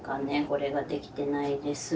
これができてないです。